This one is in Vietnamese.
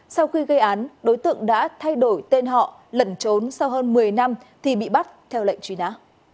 sau khi gây án đối tượng đã thay đổi tên họ lẩn trốn sau hơn một mươi năm thì bị bắt theo lệnh truy nã